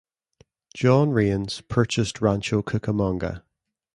John Rains purchased Rancho Cucamonga.